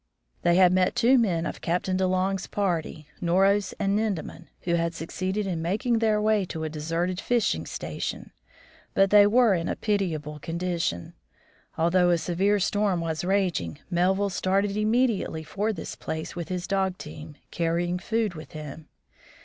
They had met two men of Captain De Long's party, Noros and Nindemann, who had succeeded in making their way to a deserted fishing station ; but they were in a pitiable condition. Although a severe storm was raging, Melville started immediately for this place with his dog team, carrying food with him.